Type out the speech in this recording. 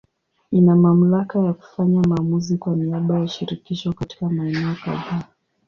Ina mamlaka ya kufanya maamuzi kwa niaba ya Shirikisho katika maeneo kadhaa.